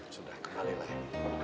sudah kembali lah ya